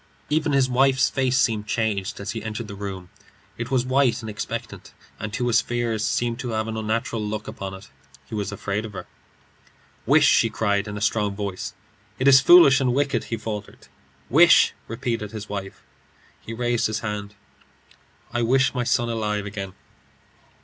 Even his wife's face seemed changed as he entered the room. It was white and expectant, and to his fears seemed to have an unnatural look upon it. He was afraid of her. "Wish!" she cried, in a strong voice. "It is foolish and wicked," he faltered. "Wish!" repeated his wife. He raised his hand. "I wish my son alive again."